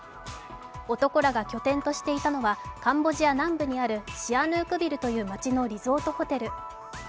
男らが拠点としていたのは、カンボジア南部にあるシアヌークビルという街のリゾートホテル。